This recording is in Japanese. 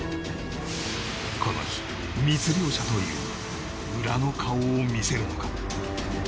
この日密漁者という裏の顔を見せるのか？